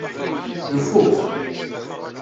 Ifuk.